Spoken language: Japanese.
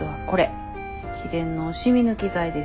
秘伝の染み抜き剤です。